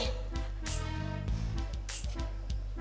ya anak nih